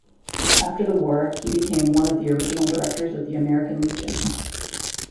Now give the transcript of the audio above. After the war, he became one of the original directors of the American Legion.